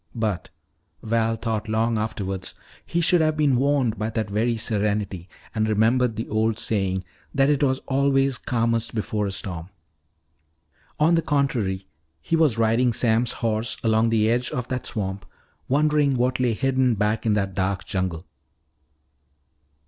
But, Val thought long afterwards, he should have been warned by that very serenity and remembered the old saying, that it was always calmest before a storm. On the contrary, he was riding Sam's horse along the edge of that swamp, wondering what lay hidden back in that dark jungle.